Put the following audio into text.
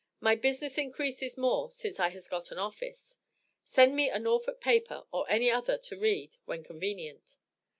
My business increases more since I has got an office. Send me a Norfolk Paper or any other to read when convenient.